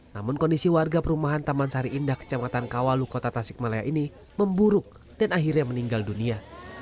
namun kondisi warga perumahan taman sari indah kecamatan kawalu kota tasikmalaya ini memburuk dan akhirnya meninggal dunia